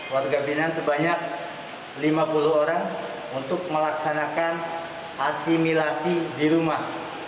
warga binaan sebanyak lima puluh orang untuk melaksanakan asimilasi di rumah